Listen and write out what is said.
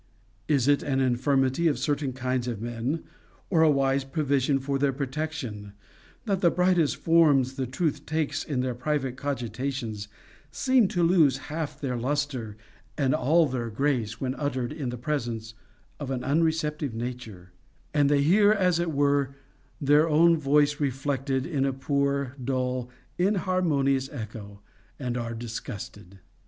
Is it an infirmity of certain kinds of men, or a wise provision for their protection, that the brightest forms the truth takes in their private cogitations seem to lose half their lustre and all their grace when uttered in the presence of an unreceptive nature, and they hear, as it were, their own voice reflected in a poor, dull, inharmonious echo, and are disgusted?